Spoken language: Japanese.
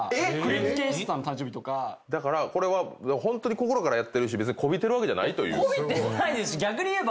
これはホントに心からやってるし別にこびてるわけじゃないと。